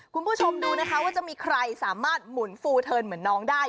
คุณผู้ชมดูนะคะว่าจะมีใครสามารถหมุนฟูเทิร์นเหมือนน้องได้